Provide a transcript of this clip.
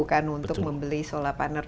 kan untuk membeli solar panel